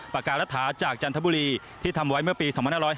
ปากการัฐาจากจันทบุรีที่ทำไว้เมื่อปี๒๕๕๙